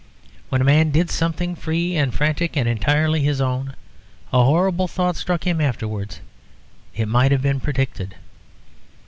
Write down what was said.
When a man did something free and frantic and entirely his own, a horrible thought struck him afterwards; it might have been predicted.